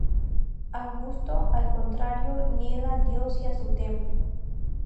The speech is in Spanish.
Augusto, al contrario, niega al dios y a su templo.